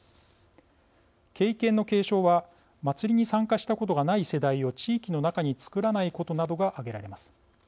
経験の継承は祭りに参加したことがない世代を地域の中につくらないことなどが挙げられます。